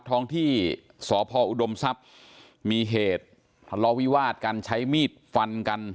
ท้องที่สพอุดมทรัพย์มีเหตุทะเลาะวิวาดกันใช้มีดฟันกัน